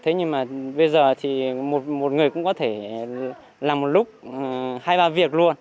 thế nhưng mà bây giờ thì một người cũng có thể làm một lúc hai ba việc luôn